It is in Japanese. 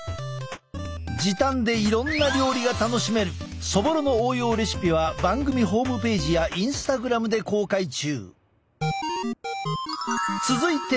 時短でいろんな料理が楽しめるそぼろの応用レシピは番組ホームページやインスタグラムで公開中。